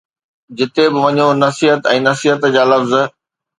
جتي به وڃو، نصيحت ۽ نصيحت جا لفظ.